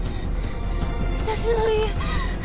私の家。